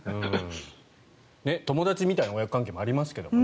友達みたいな親子関係もありますけどね